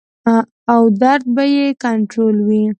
او درد به ئې کنټرول وي -